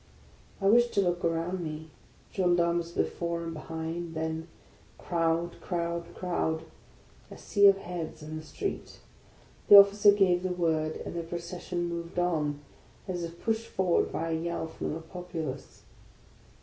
I wished to look around me, — gendarmes before and be hind: then crowd! crowd! crowd! A sea of heads in the street. The officer gave the word, and the procession moved on, as if pushed forward by a yell from the populace.